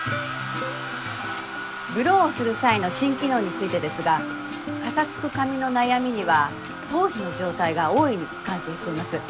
ブローをする際の新機能についてですがかさつく髪の悩みには頭皮の状態が大いに関係しています。